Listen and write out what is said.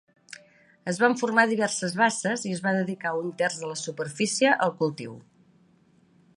Es van formar diverses basses i es va dedicar un terç de la superfície al cultiu.